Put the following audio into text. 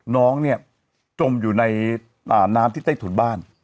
น้องเนี่ยจมอยู่ในน้ำที่ใต้ถุนบ้าน